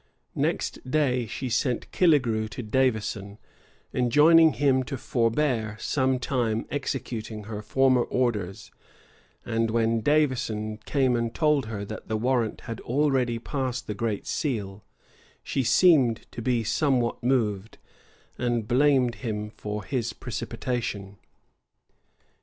Next day she sent Killigrew to Davison, enjoining him to forbear, some time, executing her former orders; and when Davison came and told her that the warrant had already passed the great seal, she seemed to be somewhat moved, and blamed him for his precipitation.